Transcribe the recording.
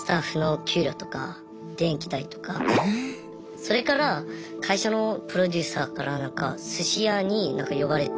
それから会社のプロデューサーからなんかすし屋に呼ばれて。